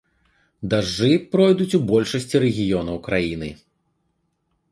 Дажджы пройдуць у большасці рэгіёнаў краіны.